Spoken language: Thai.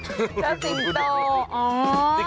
เชิกสิงโตอ๋อ